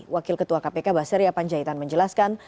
wakil ketua kpk baseria panjaitan menjelaskan